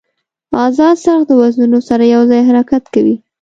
ازاد څرخ د وزنونو سره یو ځای حرکت کوي.